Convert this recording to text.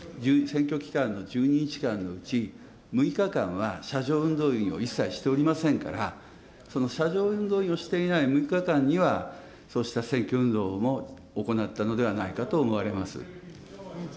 選挙期間の１２日間のうち、６日間は車上運動員を一切しておりませんから、その車上運動員をしていない６日間には、そうした選挙運動も行ったのではないかと思われます。